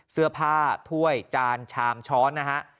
เสื้อผ้าถ้วยจานชามช้อนนะฮะ